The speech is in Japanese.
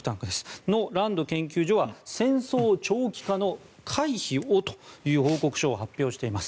そのランド研究所は「戦争長期化の回避を」という報告書を発表しています。